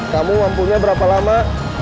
kamu mampunya berapa lama